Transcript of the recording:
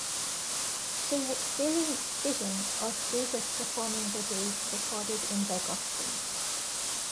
She experienced visions of Jesus performing the deeds recorded in the gospels.